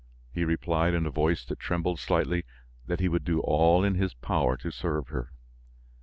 He replied, in a voice that trembled slightly, that he would do all in his power to serve her.